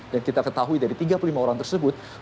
dan kita ketahui dari tiga puluh lima orang tersebut